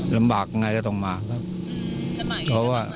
ลำบากอย่างไรต้องมาคะ